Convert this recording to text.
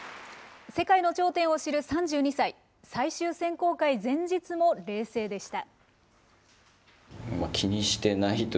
世界の頂点を知る３２歳、最終選考会前日も冷静でした。